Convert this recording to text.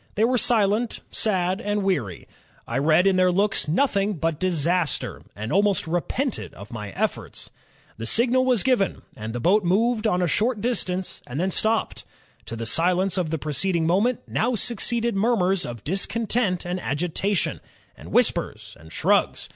They were silent, sad, and weary. I read in their looks nothing but disaster, and almost repented of my efforts. The signal was given, and the boat moved on a short distance and then stopped. ... To the silence of the preceding moment, now succeeded murmurs of discontent and agitation, and whispers, and shrugs.